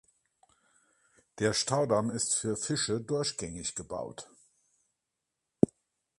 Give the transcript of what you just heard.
Der Staudamm ist für Fische durchgängig gebaut.